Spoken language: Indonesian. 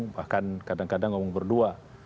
bahkan kadang kadang ngomong berdua